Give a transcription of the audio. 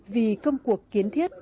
vì công cuộc kiến thiết